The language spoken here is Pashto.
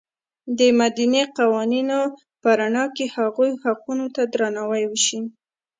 د مدني قوانینو په رڼا کې هغوی حقونو ته درناوی وشي.